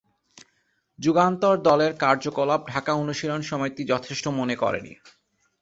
যুগান্তর দলের কার্যকলাপ ঢাকা অনুশীলন সমিতি যথেষ্ট মনে করেনি।